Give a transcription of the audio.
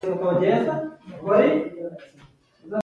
اتوم یا د اتومونو ګروپ چې الکترون اخیستی وي ایون یادیږي.